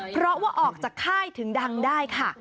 เพราะว่าออกจากค่ายถึงดังได้ค่ะ